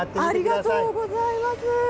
ありがとうございます。